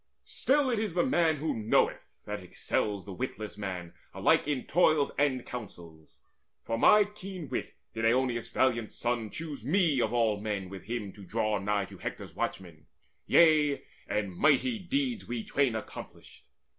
Still It is the man who knoweth that excels The witless man alike in toils and counsels. For my keen wit did Oeneus' valiant son Choose me of all men with him to draw nigh To Hector's watchmen: yea, and mighty deeds We twain accomplished.